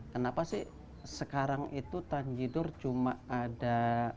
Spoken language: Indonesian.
kenapa sih sekarang itu tanjidur cuma ada